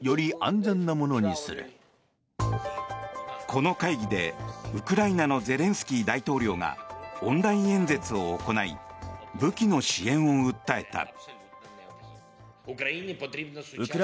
この会議で、ウクライナのゼレンスキー大統領がオンライン演説を行い武器の支援を訴えた。